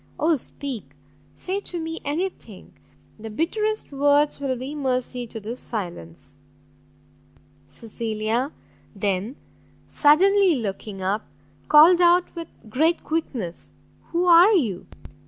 oh speak! say to me any thing; the bitterest words will be mercy to this silence!" Cecilia then, suddenly looking up, called out with great quickness, "Who are you?"